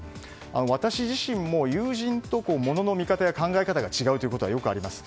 私自身も友人とモノの見方や考え方が違うことはよくあります。